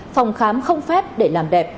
phòng khám không phép để làm đẹp